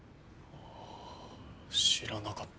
あ知らなかった。